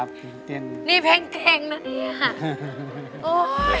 นี่เพลงเพลงนี้อ่ะ